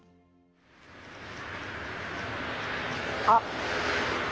あっ